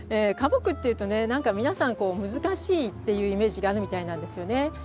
花木っていうとね何か皆さんこう難しいっていうイメージがあるみたいなんですよね。